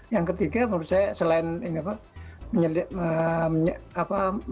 yang ketiga menurut saya selain ini apa